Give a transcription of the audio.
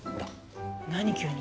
何急に？